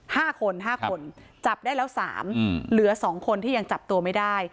ห้าคนห้าคนจับได้แล้วสามอืมเหลือสองคนที่ยังจับตัวไม่ได้